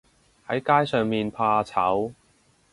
喺街上面怕醜